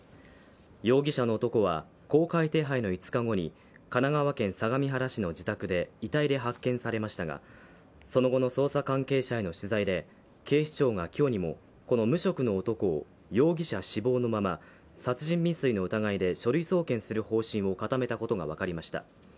容疑者の男は公開手配の５日後に神奈川県相模原市の自宅で遺体で発見されましたが、その後の捜査関係者への取材で警視庁が今日にもこの無職の男を容疑者死亡のまま殺人未遂の疑いで書類送検する方針を固めたことが分かりました。